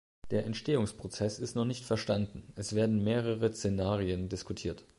Der Entstehungsprozess ist noch nicht verstanden; es werden mehrere Szenarien diskutiert.